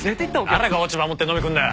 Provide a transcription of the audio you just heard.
誰が落ち葉持って飲みに来るんだよ。